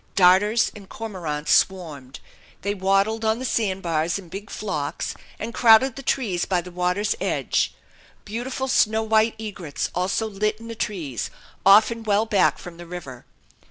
Darters and cormorants swarmed. They waddled on the sand bars in big flocks and crowded the trees by the water's edge. Beautiful snow white egrets also lit in the trees, often well back from the river.